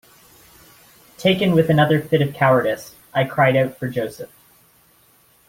Taken with another fit of cowardice, I cried out for Joseph.